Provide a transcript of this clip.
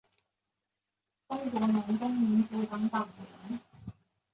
加拉帕戈斯象龟是现存体型最大的陆龟之一。